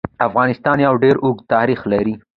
افغانستان يو ډير اوږد تاريخ لري.